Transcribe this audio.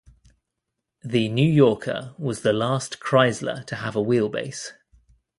The New Yorker was the last Chrysler to have a wheelbase.